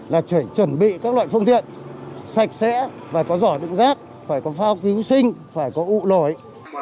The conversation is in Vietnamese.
là chuẩn bị các loại phương tiện sạch sẽ và có giỏ đựng rác phải có phao cứu sinh phải có ụ nổi